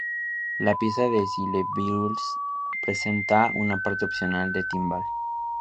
La pieza de Sibelius presenta una parte opcional de timbal.